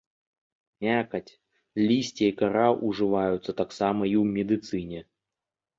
Мякаць, лісце і кара ўжываюцца таксама і ў медыцыне.